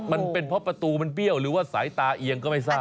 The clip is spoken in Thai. มันเป็นเพราะประตูมันเบี้ยวหรือว่าสายตาเอียงก็ไม่ทราบ